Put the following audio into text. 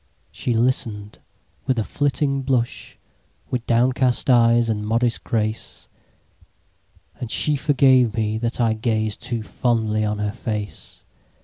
She listen'd with a flitting blush, With downcast eyes and modest grace; And she forgave me, that I gazedToo fondly on her face!